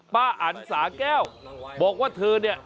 อันสาแก้วบอกว่าเธอเนี่ย